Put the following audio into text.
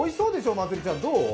まつりちゃんどう？